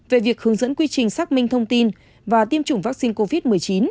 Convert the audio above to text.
về việc hướng dẫn quy trình xác minh thông tin và tiêm chủng vaccine covid một mươi chín